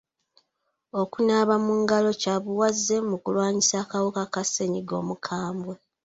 Okunaaba mu ngalo kya buwaze mu kulwanyisa akawuka Ka ssenyiga omukambwe.